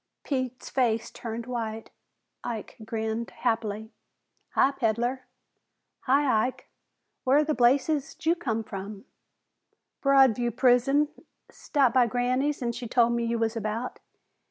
Pete's face turned white. Ike grinned happily. "Hi, peddler!" "Hi, Ike! Where the blazes did you come from?" "Broadview Prison. Stopped by Granny's an' she told me you was about.